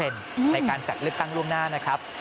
ในการจัดเลือกตั้งล่วงหน้านะครับ